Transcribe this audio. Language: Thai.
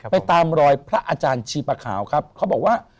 ตามรอยพระอาจารย์ชีปะขาวครับเขาบอกว่า